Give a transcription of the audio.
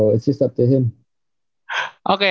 jadi itu hanya tergantung pada dia